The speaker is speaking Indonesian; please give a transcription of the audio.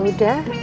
umi sudah berubah